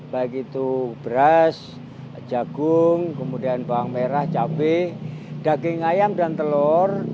baik itu beras jagung kemudian bawang merah cabai daging ayam dan telur